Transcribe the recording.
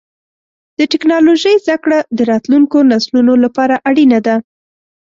د ټکنالوجۍ زدهکړه د راتلونکو نسلونو لپاره اړینه ده.